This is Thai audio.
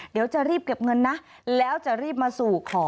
เดี๋ยวจะรีบเก็บเงินนะแล้วจะรีบมาสู่ขอ